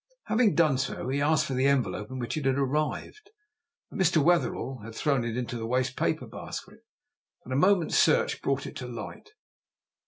Having done so, he asked for the envelope in which it had arrived. Mr. Wetherell had thrown it into the waste paper basket, but a moment's search brought it to light.